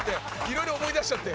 色々思い出しちゃって。